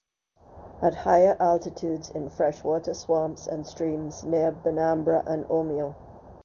At higher altitudes in freshwater swamps and streams near Benambra and Omeo.